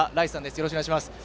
よろしくお願いします。